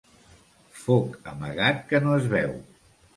Foc amagat que no es veu.